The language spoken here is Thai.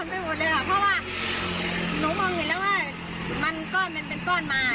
เพราะว่าหนูมองเห็นแล้วว่ามันก้อนเป็นก้อนมา